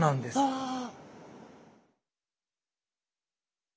ああ。